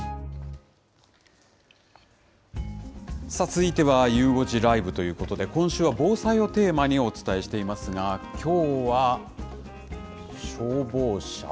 続いては、ゆう５時ライブということで、今週は防災をテーマにお伝えしていますが、きょうは消防車？